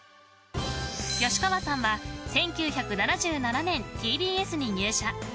吉川さんは１９７７年ＴＢＳに入社。